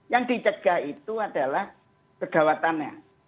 yang dicegah itu adalah kegawatannya